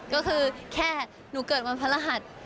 ก็คือแค่หนูเกิดวันพระรหัส